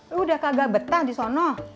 lo udah kagak betah disana